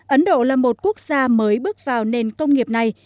ấn độ là một quốc gia mới bước vào nền công nghiệp này